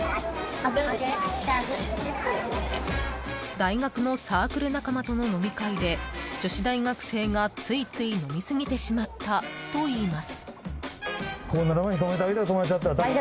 大学のサークル仲間との飲み会で、女子大学生がついつい飲み過ぎてしまったといいます。